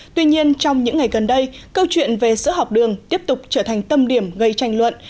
tuy nhiên trong những ngày gần đây câu chuyện về sữa học đường tiếp tục trở thành tâm điểm gây tranh luận